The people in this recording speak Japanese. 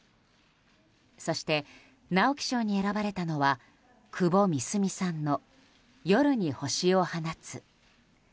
そして直木賞に選ばれたのは窪美澄さんの「夜に星を放つ」。